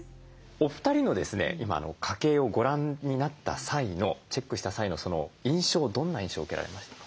お二人の今家計をご覧になった際のチェックした際の印象どんな印象受けられましたか？